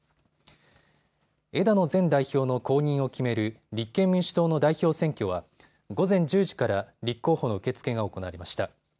枝野前代表の後任を決める立憲民主党の代表選挙は午前１０時から立候補の受け付けが行われました。